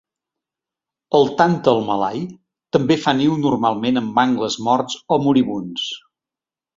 El tàntal malai també fa niu normalment en mangles morts o moribunds.